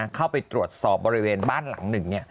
เข้าไปตรวจสอบบริเวณบ้านหลังหนึ่ง